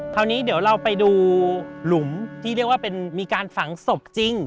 คราวนี้เดี๋ยวเราไปดูหลุมที่เรียกว่าเป็นมีการฝังศพจริง